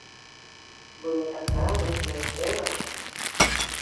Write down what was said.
Было так радасна і хораша!